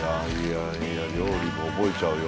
料理も覚えちゃうよ